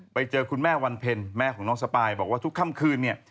ไปเจอคุณแม่วันเพ็ญแม่ของน้องสปายบอกว่าทุกค่ำคืนเนี่ย